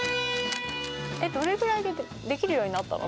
えっどれぐらいでできるようになったの？